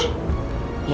aku tanya mama aja deh